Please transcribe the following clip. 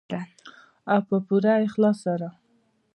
او په پوره اخلاص سره.